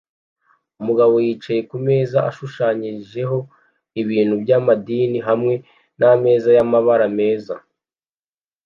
Umugabo yicaye kumeza ashushanyijeho ibintu byamadini hamwe nameza yamabara meza